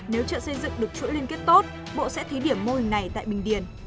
nếu chợ xây dựng được chuỗi liên kết tốt bộ sẽ thí điểm mô hình này tại bình điền